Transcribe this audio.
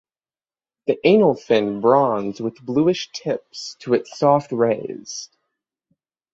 The anal fin bronze with bluish tips to its soft rays.